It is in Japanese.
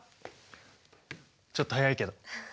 ちょっと早いけど。